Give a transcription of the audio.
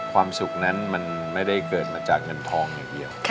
ความสุขนั้นมันไม่ได้เกิดมาจากเงินทองอย่างเดียว